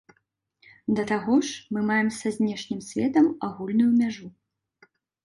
Да таго ж мы маем са знешнім светам агульную мяжу.